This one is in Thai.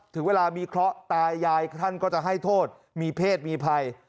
ถึงเวลามีเคราะห์ตายายท่านก็จะให้โทษมีเพศมีภัย